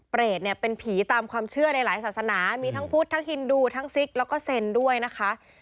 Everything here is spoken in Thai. เนี่ยเป็นผีตามความเชื่อในหลายศาสนามีทั้งพุทธทั้งฮินดูทั้งซิกแล้วก็เซ็นด้วยนะคะ